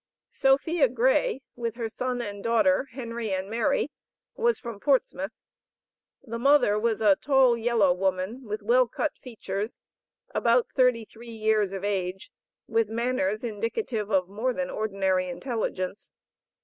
Sophia Gray, with her son and daughter, Henry and Mary, was from Portsmouth. The mother was a tall, yellow woman, with well cut features, about thirty three years of age, with manners indicative of more than ordinary intelligence.